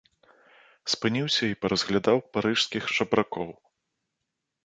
Спыніўся і паразглядаў парыжскіх жабракоў.